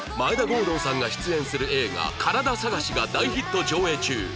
郷敦さんが出演する映画『カラダ探し』が大ヒット上映中